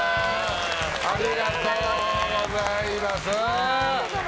ありがとうございます。